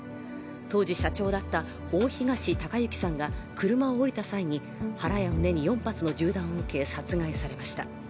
当時社長だった大東隆行さんが車を降りた際に腹や胸に４発の銃弾を受け、殺害されました。